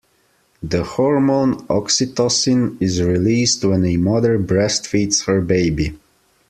The hormone oxytocin is released when a mother breastfeeds her baby.